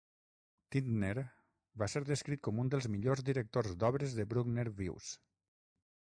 Tintner va ser descrit com un dels millors directors d'obres de Bruckner vius.